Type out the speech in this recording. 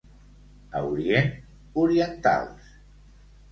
A Orient, orientals.